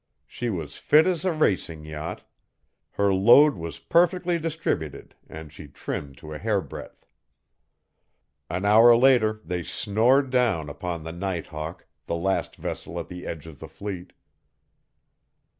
She was fit as a racing yacht; her load was perfectly distributed and she trimmed to a hairbreadth. An hour later they snored down upon the Night Hawk, the last vessel at the edge of the fleet.